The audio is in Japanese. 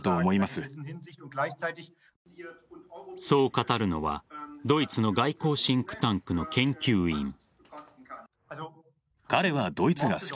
そう語るのはドイツの外交シンクタンクの研究員。